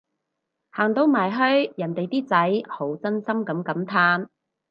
行到埋去人哋啲仔好真心噉感嘆